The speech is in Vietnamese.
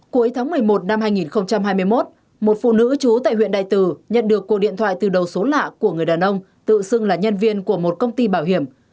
cuối tháng một mươi một năm hai nghìn hai mươi một một phụ nữ chú tại huyện đại từ nhận được cuộc điện thoại từ đầu số lạ của người đàn ông tự xưng là nhân viên của một công ty bảo hiểm